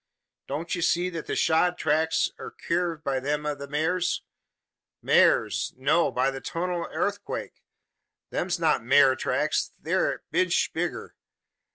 "Don't ye see that the shod tracks air kivered by them o' the maars? Maars no! By the 'turnal airthquake! them's not maar tracks. They air a inch bigger.